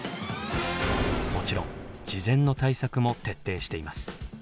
もちろん事前の対策も徹底しています。